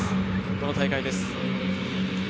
この大会です。